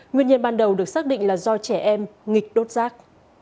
nguyên nhân ban đầu được xác định là do trẻ em nghịch đốt rác